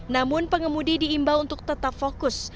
namun pengemudi diimbau untuk tetap fokus